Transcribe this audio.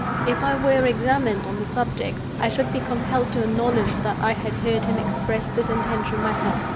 If I were examined on the subject, I should be compelled to acknowledge that I had heard him express this intention myself.